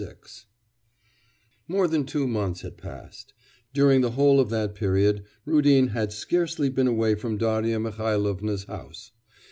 VI More than two months had passed; during the whole of that period Rudin had scarcely been away from Darya Mihailovna's house.